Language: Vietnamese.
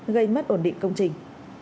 gây mất ổn định công trình